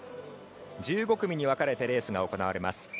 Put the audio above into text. １５組に分かれてレースが行われます。